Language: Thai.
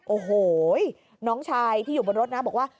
โอ้โหน้องชายที่อยู่บนรถนะบอกว่า